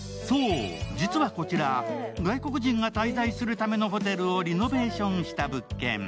実はこちら、外国人が滞在するためのホテルをリノベ−ションした物件。